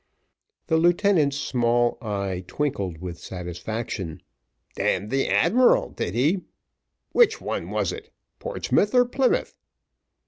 The lieutenant's small eye twinkled with satisfaction. "Damned the Admiral, did he! which one was it Portsmouth or Plymouth?"